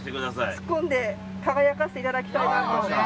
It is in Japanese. ツッコんで輝かせていただきたいなと。